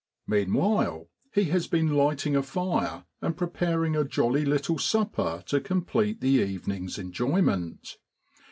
Meanwhile he has been lighting a fire and preparing a jolly little supper to complete the evening's enjoyment.